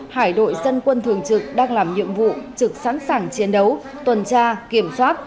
hải đội dân quân thường trực đang làm nhiệm vụ trực sẵn sàng chiến đấu tuần tra kiểm soát